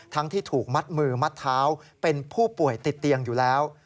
ที่ถูกมัดมือมัดเท้าเป็นผู้ป่วยติดเตียงอยู่แล้ว